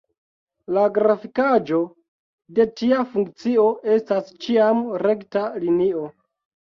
La grafikaĵo de tia funkcio estas ĉiam rekta linio.